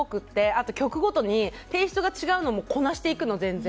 あと曲ごとにテイストが違うのもこなしていくの全然。